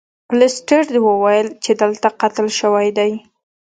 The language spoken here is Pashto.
لیسټرډ وویل چې دلته قتل شوی دی.